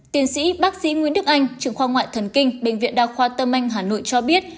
tiến sĩ bác sĩ nguyễn đức anh trưởng khoa ngoại thần kinh bệnh viện đa khoa tâm anh hà nội cho biết